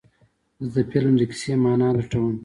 زه د فلم د کیسې معنی لټوم.